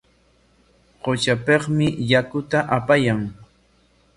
Qutrapikmi yakuta apaykan.